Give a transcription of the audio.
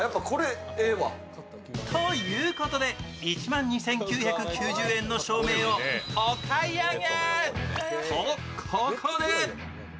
ということで１万２９９０円の照明をお買い上げ！